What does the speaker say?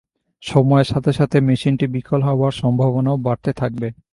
সময়ের সাথে সাথে মেশিনটি বিকল হবার সম্ভাবনাও বাড়তে থাকবে।